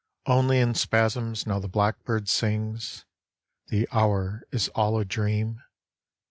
Only in spasms now the blackbird sings. The hour is all a dream.